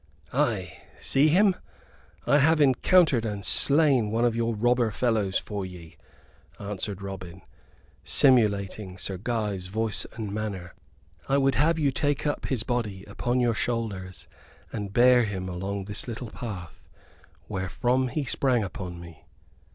"Ay, see him! I have encountered and slain one of your robber fellows for ye," answered Robin, simulating Sir Guy's voice and manner. "I would have you take up his body upon your shoulders and bear him along this little path, wherefrom he sprang upon me."